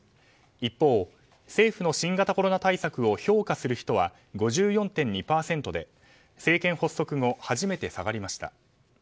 一方、政府の新型コロナ対策を評価する人は５４．２％で政権発足後初めて下がりました。